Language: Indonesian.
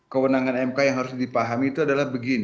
kewenangan mk yang harus dipahami itu adalah begini